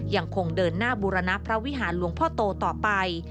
ยังคงเดินหน้าบูรณพระวิหารหลวงพ่อโตต่อไป